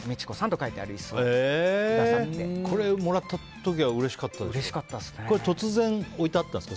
これ、もらった時はうれしかったですか？